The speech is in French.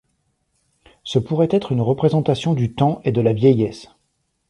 Ce pourrait être une représentation du Temps et de la Vieillesse.